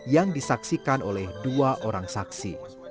yang disaksikan oleh dua orang saksi